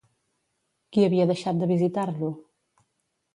Qui havia deixat de visitar-lo?